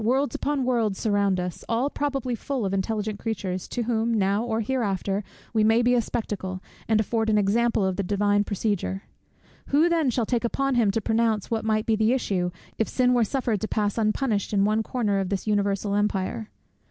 Worlds upon worlds surround us, all probably full of intelligent creatures, to whom, now or hereafter, we may be a spectacle, and afford an example of the Divine procedure. Who then shall take upon him to pronounce what might be the issue, if sin were suffered to pass unpunished in one corner of this universal empire?